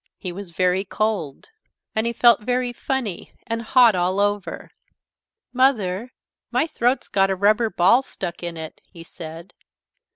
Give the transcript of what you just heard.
He was very cold. And he felt very funny and hot all over. "Mother, my throat's got a rubber ball stuck in it," he said.